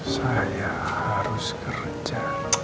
saya harus kerja